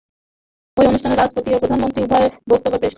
ঐ অনুষ্ঠানে রাষ্ট্রপতি ও প্রধানমন্ত্রী উভয়েই বক্তব্য পেশ করেন।